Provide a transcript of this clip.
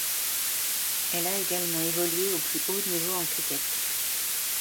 Elle a également évolué au plus haut niveau en cricket.